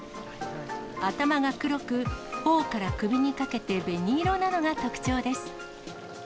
頭が黒く、ほおから首にかけて紅色なのが特徴です。